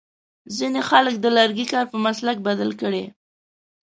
ځینې خلک د لرګي کار په مسلک بدل کړی.